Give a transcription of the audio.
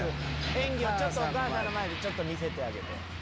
演技をお母さんの前でちょっと見せてあげて。